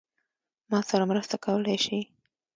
ما سره مرسته کولای شې؟